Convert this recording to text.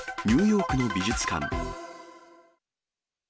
ニューヨークの美術館。